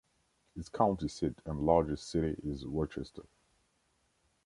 Its county seat and largest city is Rochester.